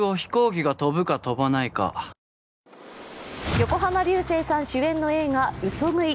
横浜流星さん主演の映画「嘘喰い」。